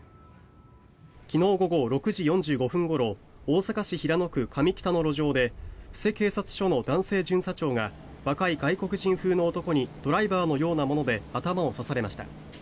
昨日午後６時４５分ごろ大阪市平野区加美北の路上で布施警察署の男性巡査長が若い外国人風の男にドライバーのようなもので頭を刺されました。